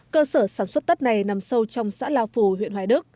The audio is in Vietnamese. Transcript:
cơ sở sản xuất tất này nằm sâu trong xã lao phù huyện hoài đức